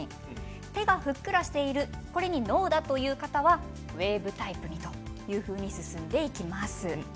手がふっくらしているのにノーの方はウエーブタイプというふうに進んでいきます。